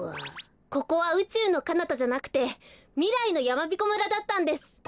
ここはうちゅうのかなたじゃなくてみらいのやまびこ村だったんです。